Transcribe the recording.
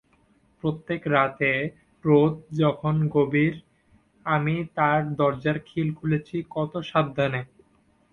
প্রত্যেক রাতে, রােত যখন গভীর, আমি তার দরজার খিল খুলেছি কত সাবধানে।